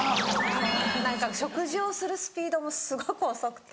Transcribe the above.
何か食事をするスピードもすごく遅くて。